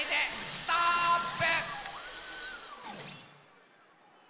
ストーップ！